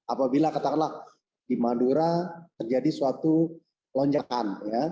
apabila katakanlah di madura terjadi suatu lonjakan